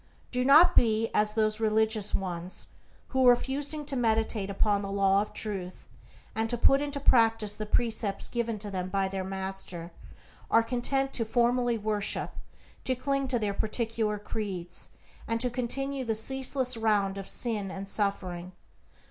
Do not be as those religious ones, who, refusing to meditate upon the Law of Truth, and to put into practice the precepts given to them by their Master, are content to formally worship, to cling to their particular creeds, and to continue in the ceaseless round of sin and suffering.